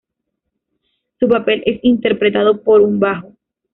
Su papel es interpretado por un bajo.